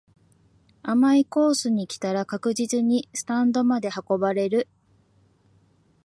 甘いコースに来たら確実にスタンドまで運ばれる